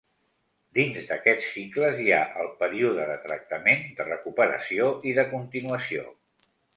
Dins d'aquests cicles hi ha el període de tractament, de recuperació i de continuació.